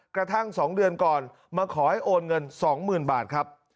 กระทั่ง๒เดือนก่อนมาขอให้โอนเงิน๒๐๐๐บาทครับ